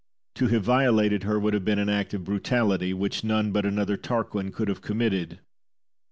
To have violated her would have been an act of brutality, which none but another Tarquin could have committed.